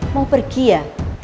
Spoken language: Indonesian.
mau pergi ya